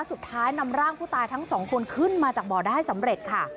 สุดท้ายนำร่างผู้ตายทั้งสองคนขึ้นมาจากบ่อได้สำเร็จค่ะ